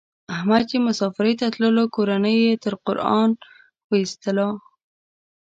احمد چې مسافرۍ ته تللو کورنۍ یې تر قران و ایستلا.